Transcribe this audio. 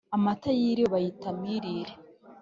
Amata yiriwe bayita amirire